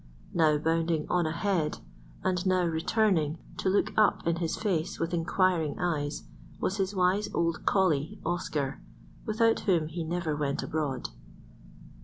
Now bounding on ahead and now returning to look up in his face with inquiring eyes was his wise old collie, Oscar, without whom he never went abroad.